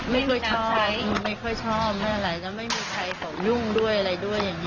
ไม่ค่อยชอบไม่ค่อยชอบไม่อะไรแล้วไม่มีใครเขายุ่งด้วยอะไรด้วยอย่างนี้